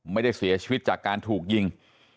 ไม่ได้เสียชีวิตจากการถูกยิง